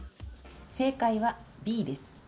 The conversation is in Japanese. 正解はＢです。